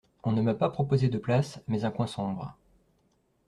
On ne m’a pas proposé de place mais un coin sombre.